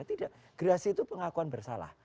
tidak gerasi itu pengakuan bersalah